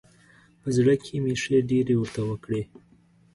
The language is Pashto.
په زړه کې مې ښې ډېرې ورته وکړې.